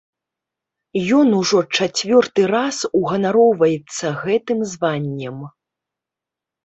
Ён ужо чацвёрты раз уганароўваецца гэтым званнем.